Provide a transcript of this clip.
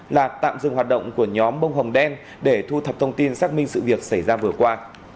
là tạm dừng hoạt động của nhóm bông hồng đen để thu thập thông tin xác minh sự việc xảy ra vừa qua